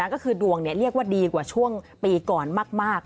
ก็คือดวงเรียกว่าดีกว่าช่วงปีก่อนมาก